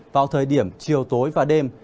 vào thời điểm chiều tối và đêm